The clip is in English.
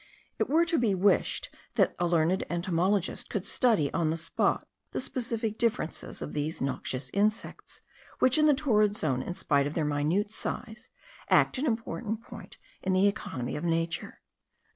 It were to be wished that a learned entomologist could study on the spot the specific differences of these noxious insects,* which in the torrid zone, in spite of their minute size, act an important point in the economy of nature.